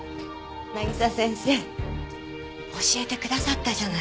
渚先生教えてくださったじゃない。